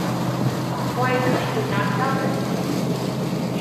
Why could you not help it?